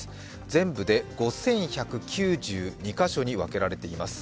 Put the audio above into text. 全部で５１９２か所に分けられています。